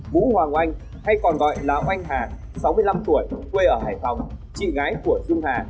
vũ hoàng oanh hay còn gọi là oanh hà sáu mươi năm tuổi quê ở hải phòng chị gái của dung hà